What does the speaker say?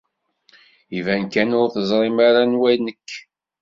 Iban kan ur teẓrimt ara anwa nekk.